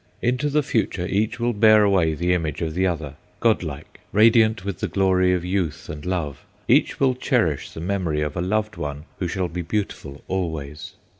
Into the future each will bear away the image of the other, godlike, radiant with the glory of youth and love; each will cherish the memory of a loved one who shall be beautiful always.